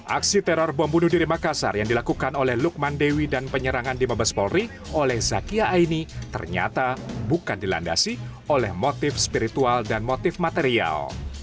aksi teror bom bunuh diri makassar yang dilakukan oleh lukman dewi dan penyerangan di mabes polri oleh zakia aini ternyata bukan dilandasi oleh motif spiritual dan motif material